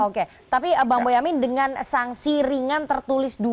oke tapi bang boyamin dengan sanksi ringan tertulis dua